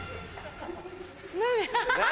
何？